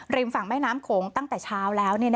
ฝั่งแม่น้ำโขงตั้งแต่เช้าแล้ว